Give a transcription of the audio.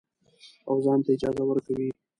او ځان ته اجازه ورکوي.